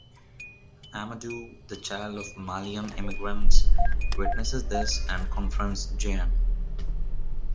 Amadou, the child of Malian immigrants, witnesses this and confronts Jean.